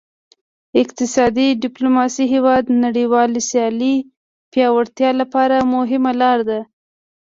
اقتصادي ډیپلوماسي د هیواد نړیوال سیالۍ پیاوړتیا لپاره مهمه لار ده